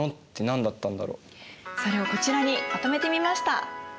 それをこちらにまとめてみました。